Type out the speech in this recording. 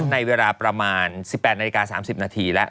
ในเวลาประมาณ๑๘นาฬิกา๓๐นาทีแล้ว